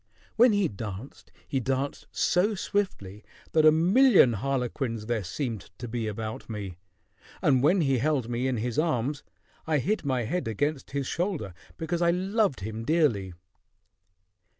When he danced, he danced so swiftly that a million harlequins there seemed to be about me: and when he held me in his arms, I hid my head against his shoulder, because I loved him dearly."